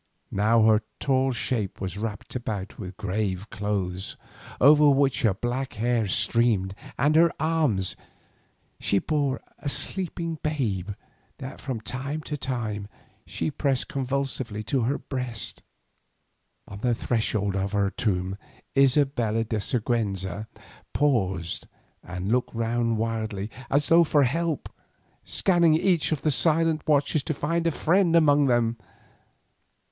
Now her tall shape was wrapped about with grave clothes over which her black hair streamed, and in her arms she bore a sleeping babe that from time to time she pressed convulsively to her breast. On the threshold of her tomb Isabella de Siguenza paused and looked round wildly as though for help, scanning each of the silent watchers to find a friend among them.